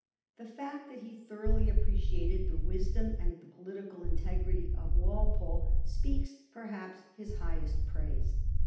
The fact that he thoroughly appreciated the wisdom and the political integrity of Walpole speaks, perhaps, his highest praise.